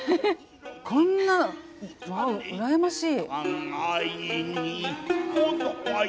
こんなわあ羨ましい。